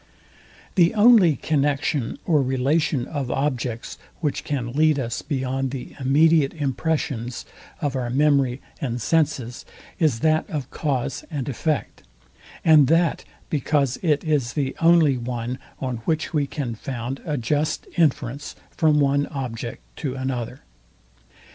The only connexion or relation of objects, which can lead us beyond the immediate impressions of our memory and senses, is that of cause and effect; and that because it is the only one, on which we can found a just inference from one object to another.